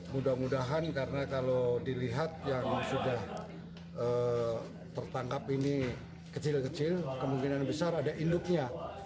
mudah mudahan karena kalau dilihat yang sudah tertangkap ini kecil kecil kemungkinan besar ada induknya